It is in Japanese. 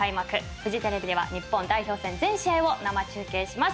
フジテレビでは日本代表戦全試合を生中継します。